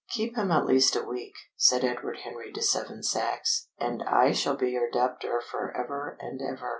"Keep him at least a week," said Edward Henry to Seven Sachs, "and I shall be your debtor for ever and ever."